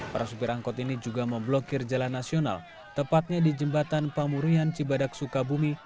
para supir angkot ini juga memblokir jalan nasional tepatnya di jembatan pamurian cibadak sukabumi